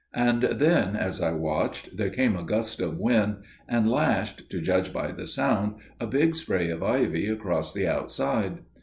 And then as I watched there came a gust of wind, and lashed, to judge by the sound, a big spray of ivy across the outside.